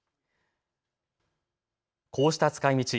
こうした使いみち。